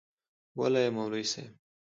وله يي مولوي صيب